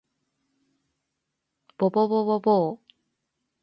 ぼぼぼぼぼお